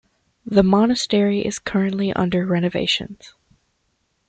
The monastery is currently under renovation.